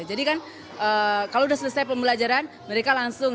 jadi kan kalau udah selesai pembelajaran mereka langsung